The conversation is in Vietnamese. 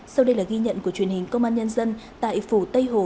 sau đây là ghi nhận của truyền hình công an nhân dân tại phủ tây hồ